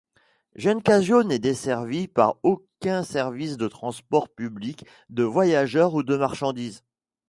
Giuncaggio n'est desservi par aucun service de transports publics de voyageurs ou de marchandises.